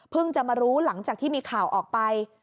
จะมารู้หลังจากที่มีข่าวออกไป